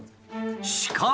しかも。